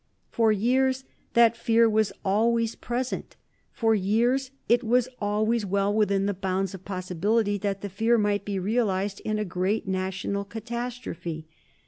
For years that fear was always present; for years it was always well within the bounds of possibility that the fear might be realized in a great national catastrophe.